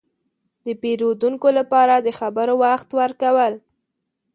– د پېرودونکو لپاره د خبرو وخت ورکول.